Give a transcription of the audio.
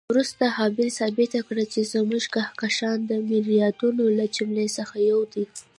وروسته هابل ثابته کړه چې زموږ کهکشان د میلیاردونو له جملې یو دی.